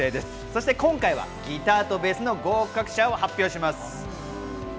そして今回はギターとベースの合格者を発表します。